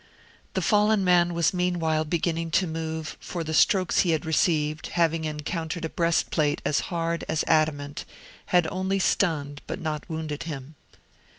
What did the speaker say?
The fallen man was meanwhile beginning to move; for the strokes he had received, having encountered a breastplate as hard as adamant, had only stunned, but not wounded him.